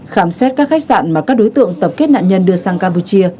khám xét các khách sạn mà các đối tượng tập kết nạn nhân đưa sang campuchia